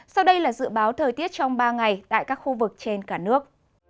sau đây là dự báo thời tiết trong ba ngày tại các khu vực trên cả nước